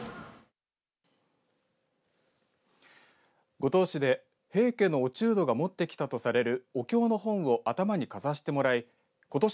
五島市で平家の落人が持ってきたとされるお経の本を頭にかざしてもらいことし